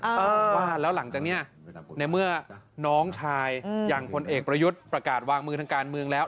เออว่าแล้วหลังจากเนี้ยในเมื่อน้องชายอย่างพลเอกประยุทธ์ประกาศวางมือทางการเมืองแล้ว